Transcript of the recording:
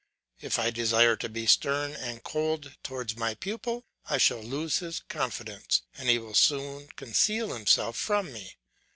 If I desire to be stern and cold towards my pupil, I shall lose his confidence, and he will soon conceal himself from me.